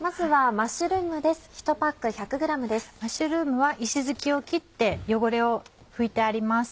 マッシュルームは石づきを切って汚れを拭いてあります。